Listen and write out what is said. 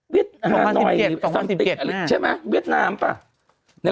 เวียดฮาหน่อยสัมฤติใช่ไหมเวียดนามป่ะ